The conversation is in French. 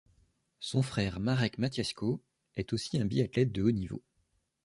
Son frère Marek Matiaško est aussi un biathlète de haut niveau.